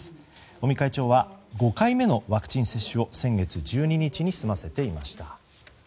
尾身会長は５回目のワクチン接種を先月１２日に済ませていました。